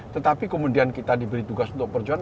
tetapi kemudian kita diberi tugas untuk perjuangan